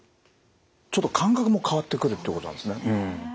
ちょっと感覚も変わってくるってことなんですね。